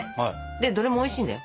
でどれもおいしいんだよ。